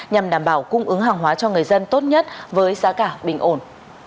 nhằm đảm bảo cung ứng hàng hóa cho người dân tốt nhất với giá cả bình ổn